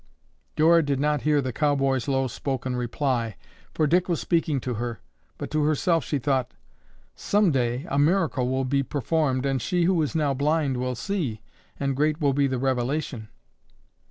Dora did not hear the cowboy's low spoken reply, for Dick was speaking to her, but to herself she thought, "Some day a miracle will be performed and she who is now blind will see, and great will be the revelation."